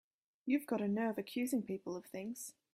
You've got a nerve accusing people of things!